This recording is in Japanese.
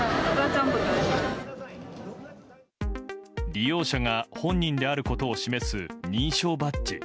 利用者が本人であることを示す認証バッジ。